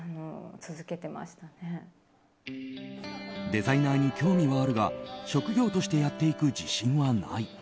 デザイナーに興味はあるが職業としてやっていく自信はない。